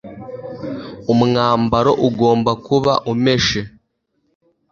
umwambaro ugomba kuba umeshe